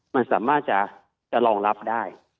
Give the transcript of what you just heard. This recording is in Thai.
มันสามารถจะรองรับได้